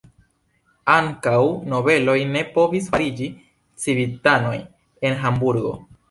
Ankaŭ nobeloj ne povis fariĝi civitanoj en Hamburgo.